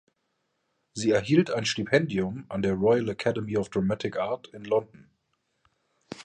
Sie erhielt ein Stipendium an der Royal Academy of Dramatic Art in London.